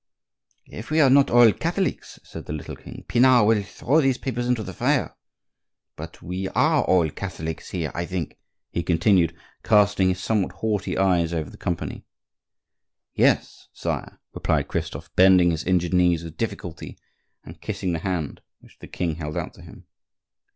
"If we are not all Catholics," said the little king, "Pinard will throw those papers into the fire. But we are all Catholics here, I think," he continued, casting his somewhat haughty eyes over the company. "Yes, sire," replied Christophe, bending his injured knees with difficulty, and kissing the hand which the king held out to him.